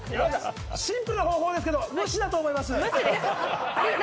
シンプルな方法ですけれど、無視だと思います。